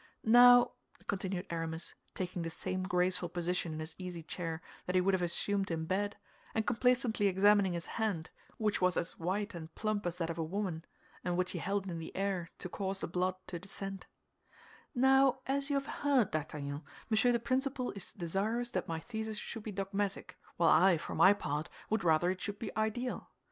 "Now," continued Aramis, taking the same graceful position in his easy chair that he would have assumed in bed, and complacently examining his hand, which was as white and plump as that of a woman, and which he held in the air to cause the blood to descend, "now, as you have heard, D'Artagnan, Monsieur the Principal is desirous that my thesis should be dogmatic, while I, for my part, would rather it should be ideal.